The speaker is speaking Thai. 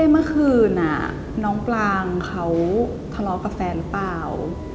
เมื่อคืนน่ะน้องปลางเขาคลอควรกับแฟนหรือเปล่า